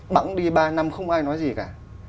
bẵng đi ba năm không ai nói gì cả